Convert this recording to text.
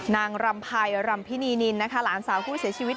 นางรำภัยรำพินีนินนะคะหลานสาวผู้เสียชีวิต